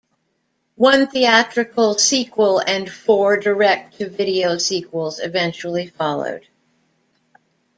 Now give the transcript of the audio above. One theatrical sequel and four direct to video sequels eventually followed.